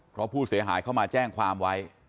เพราะผู้เสียหายเข้ามาแจ้งความไว้